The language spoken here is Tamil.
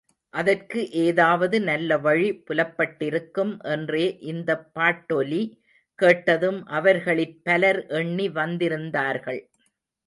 அதற்கு ஏதாவது நல்ல வழி புலப்பட்டிருக்கும் என்றே இந்தப் பாட்டொலி கேட்டதும் அவர்களிற் பலர் எண்ணி வந்திருந்தார்கள்.